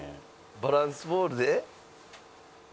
バランスボールで？